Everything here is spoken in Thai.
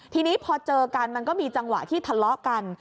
ทีนี้พอเจอกันมันก็มีจังหวะที่ทะเลาะกัน